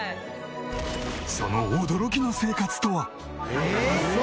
その驚きの生活とは？